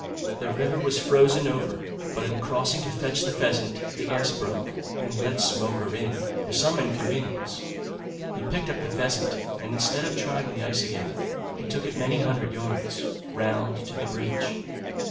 The river was frozen over; but in crossing to fetch the pheasant the ice broke, and let Smoaker in, to some inconvenience. He picked up the pheasant, and instead of trying the ice again, he took it many hundred yards round to the bridge.